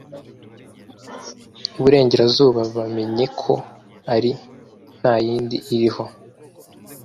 iburengerazuba bamenye ko ari nta yindi iriho